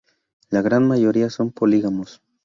La gran mayoría son polígamos.